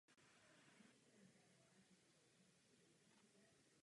Je mládežnickým reprezentantem Polska.